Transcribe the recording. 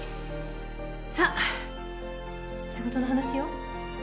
さっ仕事の話よ。